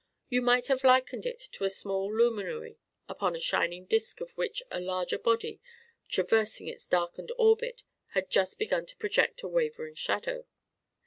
You might have likened it to a small luminary upon the shining disk of which a larger body, traversing its darkened orbit, has just begun to project a wavering shadow.